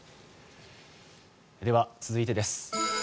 では、続いてです。